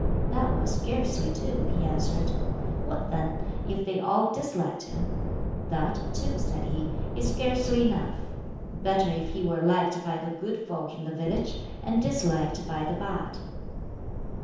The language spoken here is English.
"That will scarcely do," he answered. "What, then, if they all disliked him?" "That, too," said he, "is scarcely enough. Better if he were liked by the good folk in the village, and disliked by the bad."